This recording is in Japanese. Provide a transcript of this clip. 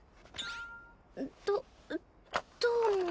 どどうも。